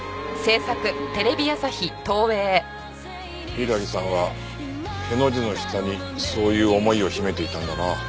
柊さんはへの字の下にそういう思いを秘めていたんだな。